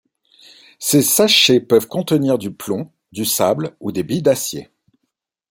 Ces sachets peuvent contenir du plomb, du sable ou des billes d’acier.